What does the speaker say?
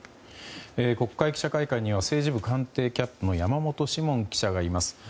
国会記者会館には政治部官邸キャップの山本志門記者がいます。